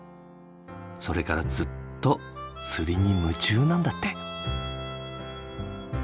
それからずっと釣りに夢中なんだって。